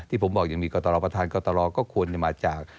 ที่ผมบอกอีกอย่างมีกตรประธานกตรก็ควรมาจาก